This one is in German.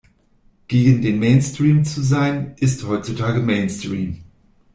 Gegen den Mainstream zu sein, ist heutzutage Mainstream.